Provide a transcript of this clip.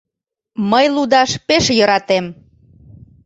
— Мый лудаш пеш йӧратем.